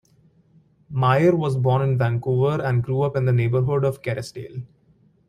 Mair was born in Vancouver and grew up in the neighbourhood of Kerrisdale.